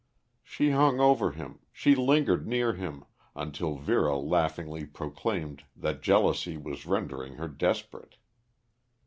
She hung over him, she lingered near him, until Vera laughingly proclaimed that jealousy was rendering her desperate.